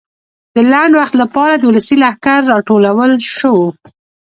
د لنډ وخت لپاره د ولسي لښکر راټولول شو وو.